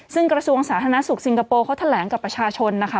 ซึ่งกระทรวงสาธารณสุขสิงคโปร์เขาแถลงกับประชาชนนะคะ